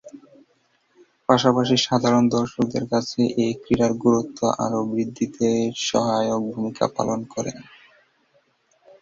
পাশাপাশি সাধারণ দর্শকদের কাছে এ ক্রীড়ার গুরুত্ব আরও বৃদ্ধিতে সহায়ক ভূমিকা পালন করেন।